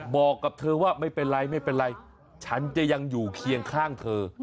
บอกกับเธอว่าไม่เป็นไรไม่เป็นไรฉันจะยังอยู่เคียงข้างเธอ